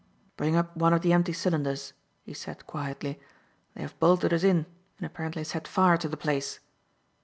"Bring up one of the empty cylinders," he said quietly. "They have bolted us in and apparently set fire to the place."